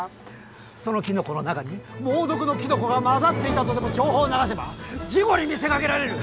そのキノコの中に猛毒のキノコが混ざっていたとでも情報を流せば事故に見せかけられる。